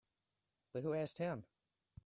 But who asked him?